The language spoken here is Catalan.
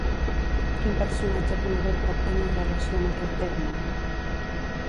Quin personatge conegut pot tenir relació amb aquest terme?